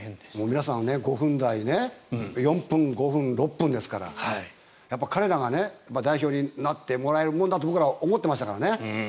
皆さん、５分台ね４分、５分、６分ですからやっぱり彼らが代表になってもらえるものだと僕らは思ってましたからね。